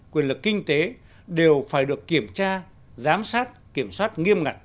quyền lực kinh tế đều phải được kiểm tra giám sát kiểm soát nghiêm ngặt